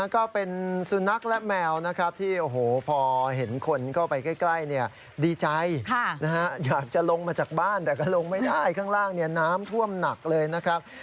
ก็เป็นสุนัขและแมวนะครับที่โอ้โหพอเห็นคนเข้าไปใกล้ดีใจอยากจะลงมาจากบ้านแต่ก็ลงไม่ได้ข้างล่างน้ำท่วมหนักเลยนะครับ